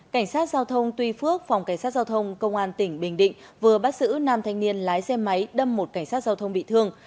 cảnh sát giao thông tuy phước phòng cảnh sát giao thông công an tỉnh bình định vừa bắt giữ nam thanh niên lái xe máy đâm một cảnh sát giao thông bị thương